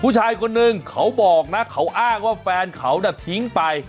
ผู้ชายคนนึงเขาบอกนะเขาอ้างว่าแฟนเขาน่ะทิ้งไป